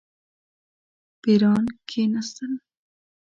پیران کښېنستل.